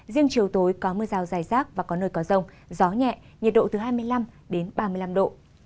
riêng chiều tối có mưa rào dài rác và có nơi có rông gió nhẹ nhiệt độ từ hai mươi năm đến ba mươi năm độ